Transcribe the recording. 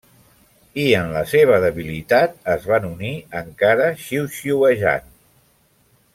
I en la seva debilitat es van unir, encara xiuxiuejant.